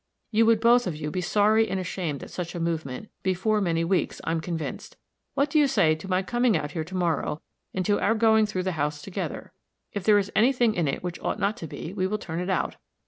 You would both of you be sorry and ashamed at such a movement, before many weeks, I'm convinced. What do you say to my coming out here to morrow, and to our going through the house together? If there is any thing in it which ought not to be, we will turn it out.